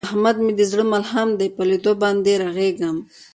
احمد مې د زړه ملحم دی، په لیدو باندې یې رغېږم.